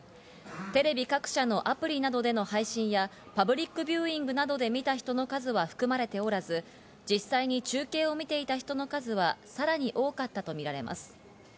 テレビ各社のアプリなどでの配信や、パブリックビューイングなどで見た人の数は含まれておらず、実際に中継を見ていた人の数はさらに多かったとみられます。